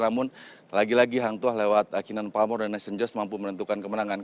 namun lagi lagi hangtua lewat akinan palmer dan nation just mampu menentukan kemenangan